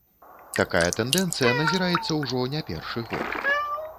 Такая тэндэнцыя назіраецца ўжо не першы год.